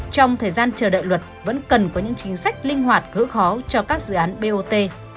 trong thời gian chờ đợi luật vẫn cần có những chính sách linh hoạt gỡ khó cho các dự án bot